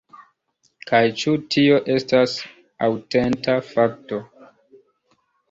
Kaj ĉu ĉi-tio estas aŭtenta fakto?